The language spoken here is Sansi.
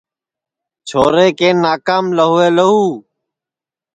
چھورے کے ناکام لہوے لہو